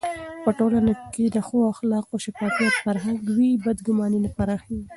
په ټولنه کې چې د ښو اخلاقو او شفافيت فرهنګ وي، بدګماني نه پراخېږي.